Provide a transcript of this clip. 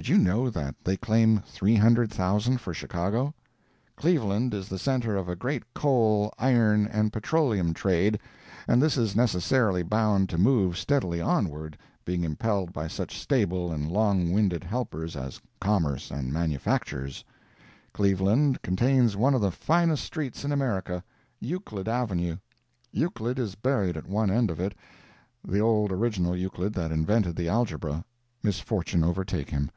Did you know that they claim 300,000 for Chicago? Cleveland is the center of a great coal, iron and petroleum trade, and this is necessarily bound to move steadily onward, being impelled by such stable and long winded helpers as commerce and manufactures. Cleveland contains one of the finest streets in America—Euclid avenue. Euclid is buried at one end of it—the old original Euclid that invented the algebra, misfortune overtake him!